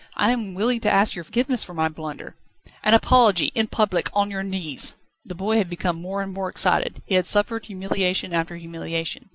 "I am willing to ask your forgiveness for my blunder ..." "An apology in public on your knees ..." The boy had become more and more excited. He had suffered humiliation after humiliation.